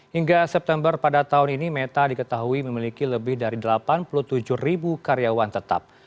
hingga september pada tahun ini meta diketahui memiliki lebih dari delapan puluh tujuh ribu karyawan tetap